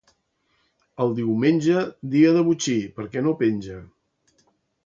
El diumenge, dia de botxí, perquè no penja.